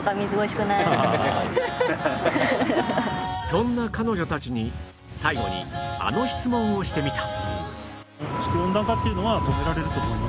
そんな彼女たちに最後にあの質問をしてみた